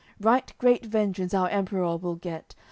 Right great vengeance our Emperour will get.